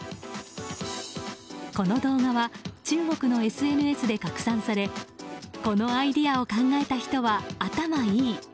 この動画は中国のＳＮＳで拡散されこのアイデアを考えた人は頭がいい。